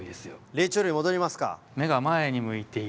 霊長類に戻りますか。